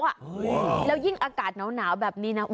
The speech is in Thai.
แล้วยิ่งอากาศหนาวแบบนี้นะ